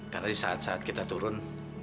karena di saat saat kita turun